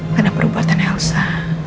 pada perbuatan elsa